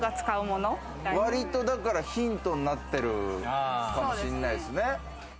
割とだからヒントになってるかもしれないですね。